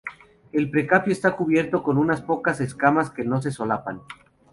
El pericarpio está cubierto con unas pocas escamas que no se solapan.